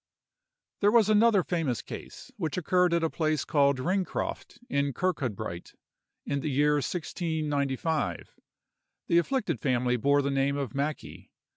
There was another famous case, which occurred at a place called Ring Croft, in Kirkcudbright, in the year 1695. The afflicted family bore the name of Mackie.